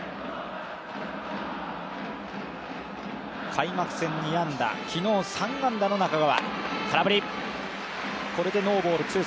開幕戦２安打、昨日３安打の中川。